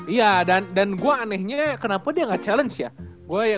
iya dan gue anehnya kenapa dia gak challenge ya